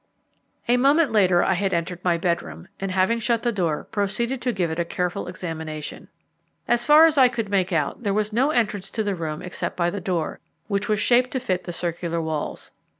A moment later I had entered my bedroom, and having shut the door, proceeded to give it a careful examination. As far as I could make out, there was no entrance to the room except by the door, which was shaped to fit the circular walls.